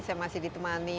saya masih ditemani